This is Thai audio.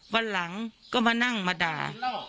วันหลังก็มานั่งมาด่า